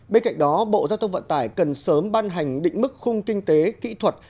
bên cạnh đó bộ giao thông vận tải cần sớm ban hành định mức khung kinh tế kỹ thuật